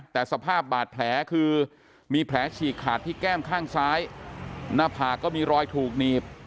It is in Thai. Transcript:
แต่สภาพบาดแผลคือมีแผลฉีกขาดที่แก้มข้างซ้ายหน้าผากก็มีรอยถูกหนีบ